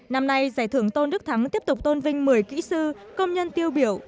năm nay giải thưởng tôn đức thắng tiếp tục tôn vinh một mươi kỹ sư công nhân tiêu biểu